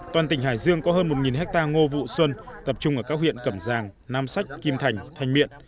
toàn tỉnh hải dương có hơn một hectare ngô vụ xuân tập trung ở các huyện cẩm giang nam sách kim thành thành miện